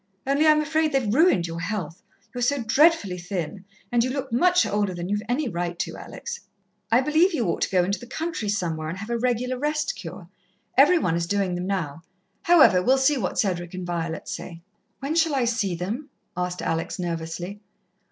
Only I'm afraid they've ruined your health you're so dreadfully thin, and you look much older than you've any right to, Alex. I believe you ought to go into the country somewhere and have a regular rest cure. Every one is doing them now. However, we'll see what Cedric and Violet say." "When shall I see them?" asked Alex nervously.